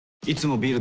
ビール